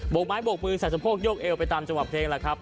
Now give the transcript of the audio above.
บกไม้บกมือแสดงโฉกยกเอวไปตามเฉวงเพลงแล้วครับ